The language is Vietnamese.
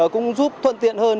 cũng giúp thuận tiện hơn